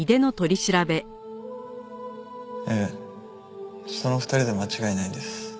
ええその２人で間違いないです。